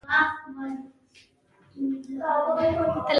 د هوايي سفرونو او صبر په هکله.